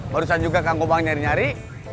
barusan juga kang kubang nyari nyari